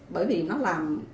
bởi vì nó làm